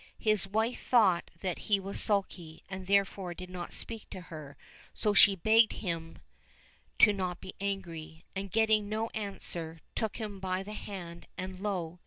His wife thought that he was sulky, and therefore did not speak to her, so she begged him not to be angry ; and, getting no answer, took him by the hand, and lo